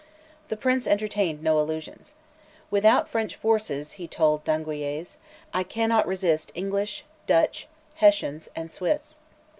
The Prince entertained no illusions. Without French forces, he told D'Eguilles, "I cannot resist English, Dutch, Hessians, and Swiss."